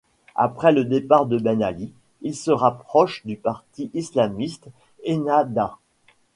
Après le départ de Ben Ali, il se rapproche du parti islamiste Ennahdha.